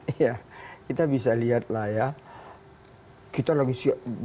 iya kita bisa lihat lah ya kita lagi siap giat giatnya bekerja